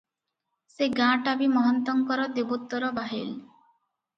ସେ ଗାଁଟା ବି ମହନ୍ତଙ୍କର ଦେବୋତ୍ତର ବାହେଲ ।